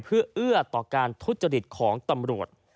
เพื่อเอื้อต่อการทุจริตของตำรวจ